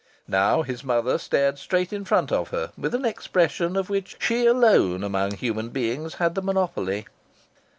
Now, his mother stared straight in front of her with an expression of which she alone among human beings had the monopoly.